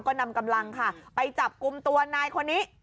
ก็นำกำลังค่ะไปจับกลุ่มตัวนายคนนี้